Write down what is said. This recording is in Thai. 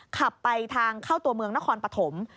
ขับไปทางเข้าตัวเมืองนครปฐม